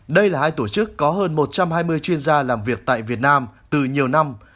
đây là hai tổ chức có hơn một trăm hai mươi chuyên gia làm việc tại việt nam từ nhiều năm